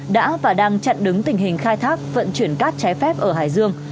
đã và đang chặn đứng tình hình khai thác vận chuyển cát trái phép ở hải dương